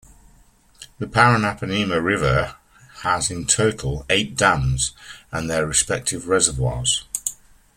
The Paranapanema River has in total eight dams and their respective reservoirs.